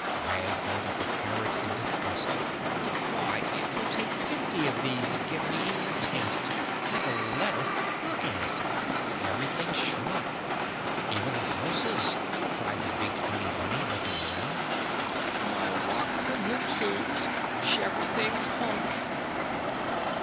Wag held up a carrot in disgust. "Why, it will take fifty of these to give me even a taste and the lettuce—look at it! Everything's shrunk, even the houses!" cried the big funny bunny, looking around. "My wocks and hoop soons, sheverything's hunk!"